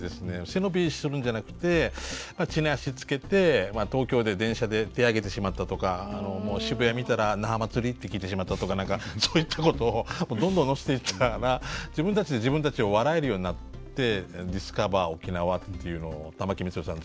背伸びするんじゃなくて地に足つけて東京で電車で手挙げてしまったとか渋谷見たら「那覇まつり？」って聞いてしまったとかそういったことをどんどんのせていったら自分たちで自分たちを笑えるようになってディスカバー沖縄っていうのを玉城満さん